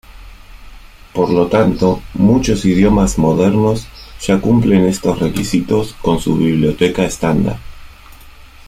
Por lo tanto, muchos idiomas modernos ya cumplen estos requisitos con su biblioteca estándar.